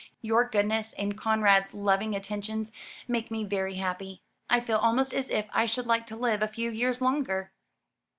"Your goodness, and Conrad's loving attentions, make me very happy. I feel almost as if I should like to live a few years longer."